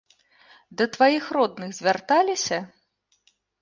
Да тваіх родных звярталіся?